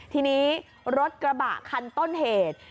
ทีนี้รถกระบะคันต้นเหตุ